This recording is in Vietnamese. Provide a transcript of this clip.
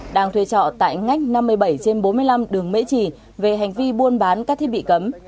đang thuê trọ tại ngách năm mươi bảy trên bốn mươi năm đường mễ trì về hành vi buôn bán các thiết bị cấm